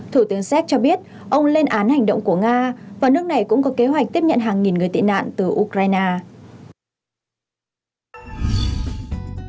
thủ tướng séc cho biết ông lên án hành động của nga và nước này cũng có kế hoạch tiếp nhận hàng nghìn người tị nạn từ ukraine